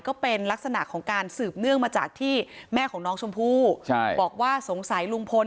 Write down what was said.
ก็เป็นลักษณะของการสืบเนื่องมาจากที่แม่ของน้องชมพู่ใช่บอกว่าสงสัยลุงพล